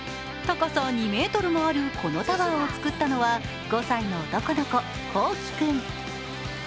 高さ２ｍもあるこのタワーを作ったのは５歳の男の子、こうき君。